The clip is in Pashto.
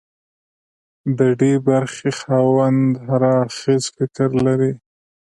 د ډي برخې خاوند هر اړخیز فکر لري.